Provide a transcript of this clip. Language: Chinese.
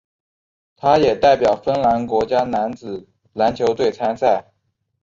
他也代表芬兰国家男子篮球队参赛。